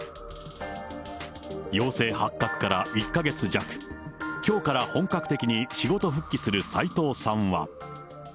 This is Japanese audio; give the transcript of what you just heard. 陽性発覚から１か月弱、きょうから本格的に仕事復帰する斉藤さんは。